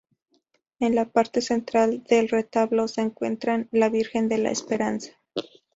En la parte central del retablo se encuentra la Virgen de la Esperanza.